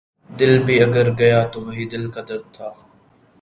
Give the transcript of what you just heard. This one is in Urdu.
دل بھی اگر گیا تو وہی دل کا درد تھا